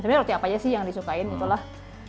sebenarnya roti apa aja sih yang disukain itulah